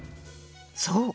そう。